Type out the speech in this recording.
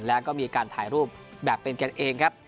แล้วก็มีการถ่ายรูปแบบเป็นกันเองครับ